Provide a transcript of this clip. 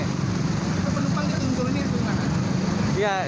penumpang ditunggu tunggu di mana